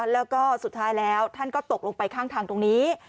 แล้วก็สุดท้ายแล้วท่านก็ตกลงไปข้างทางตรงนี้